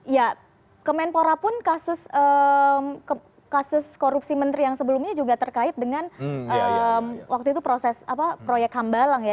ya kemenpora pun kasus korupsi menteri yang sebelumnya juga terkait dengan waktu itu proses proyek hambalang ya